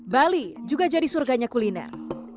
bali juga jadi surganya kuliner